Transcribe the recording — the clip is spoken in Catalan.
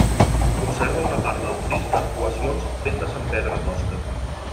Conserva una part del fris d'arcuacions fetes amb pedra tosca.